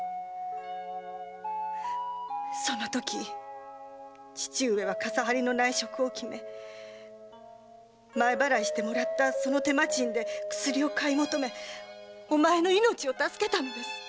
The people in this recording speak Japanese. そのとき父上は傘張りの内職を決め前払いしてもらったその手間賃で薬を買い求めお前の命を助けたのです。